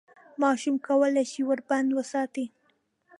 ماشوم کولای شي ور بند وساتي.